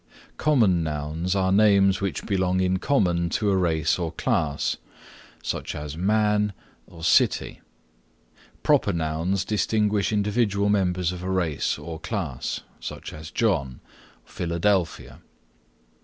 Common Nouns are names which belong in common to a race or class, as man, city. Proper Nouns distinguish individual members of a race or class as John, Philadelphia.